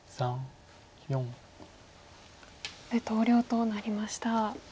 ここで投了となりました。